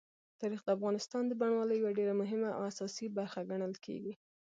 تاریخ د افغانستان د بڼوالۍ یوه ډېره مهمه او اساسي برخه ګڼل کېږي.